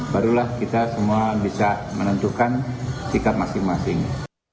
barulah kita semua bisa menentukan sikap masing masing